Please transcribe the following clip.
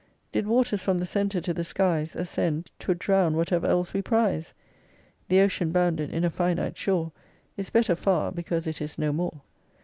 Did waters from the centre to the skies Ascend, 'twould drown whatever else we prize. The ocean bounded in a finite shore, Is better far because it is no more.